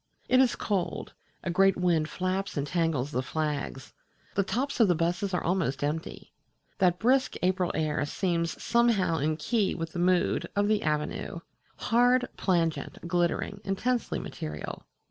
It is cold: a great wind flaps and tangles the flags; the tops of the buses are almost empty. That brisk April air seems somehow in key with the mood of the Avenue hard, plangent, glittering, intensely material.